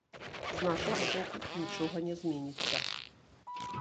З нашага боку нічога не зменіцца.